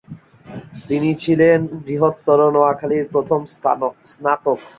তিনি ছিলেন বৃহত্তর নোয়াখালীর প্রথম স্নাতক।